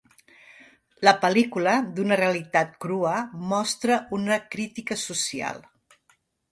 La pel·lícula d'una realitat crua mostra una crítica social.